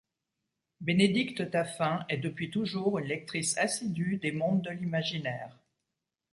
Bénédicte Taffin est depuis toujours une lectrice assidue des mondes de l'imaginaire.